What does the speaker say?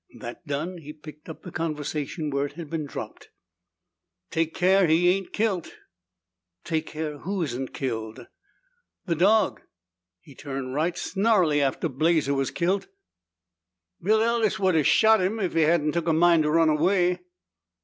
That done, he picked up the conversation where it had been dropped. "Take care he ain't kil't." "Take care who isn't killed?" "The dog. He turned right snarly after Blazer was kil't. Bill Ellis'd a shot him if he hadn't took a mind to run away."